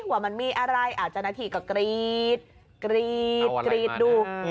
ว่ามันมีอะไรอาจารย์หน้าที่ก็กรีดดู